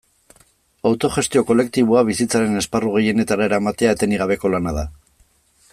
Autogestio kolektiboa bizitzaren esparru gehienetara eramatea etenik gabeko lana da.